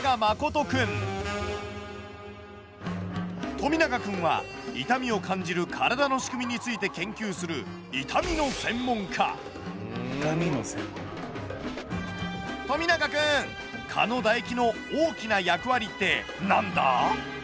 富永くんは痛みを感じる体の仕組みについて研究する富永くん蚊の唾液の大きな役割って何だ？